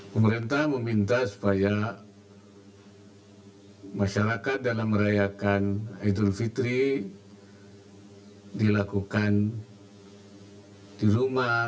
pemerintah meminta supaya masyarakat dalam merayakan idul fitri dilakukan di rumah